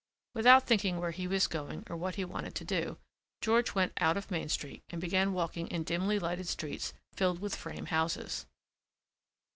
Without thinking where he was going or what he wanted to do, George went out of Main Street and began walking in dimly lighted streets filled with frame houses.